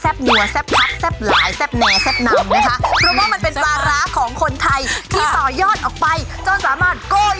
แซ่บคับแซ่บหลายแซ่บแอนเอนแซ่บน้ำ